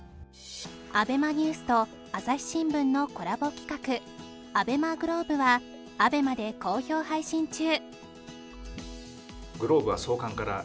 ＡＢＥＭＡＮＥＷＳ と『朝日新聞』のコラボ企画『ＡＢＥＭＡＧＬＯＢＥ』は ＡＢＥＭＡ で好評配信中